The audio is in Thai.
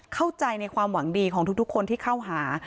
เข้าใจในความหวังดีของทุกคนที่เข้าหา